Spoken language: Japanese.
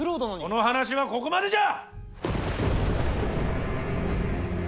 この話はここまでじゃ！